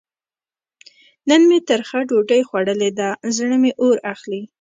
نن مې ترخه ډوډۍ خوړلې ده؛ زړه مې اور اخلي.